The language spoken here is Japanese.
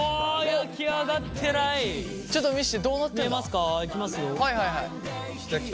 ちょっと見せてどうなってんだ？